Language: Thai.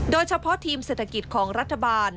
โดยเฉพาะทีมเศรษฐกิจของรัฐบาล